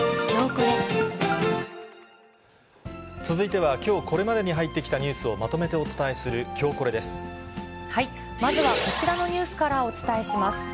続いては、きょうこれまでに入ってきたニュースをまとめてお伝えする、まずはこちらのニュースからお伝えします。